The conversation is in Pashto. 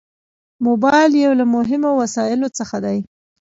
موبایل یو له مهمو وسایلو څخه دی.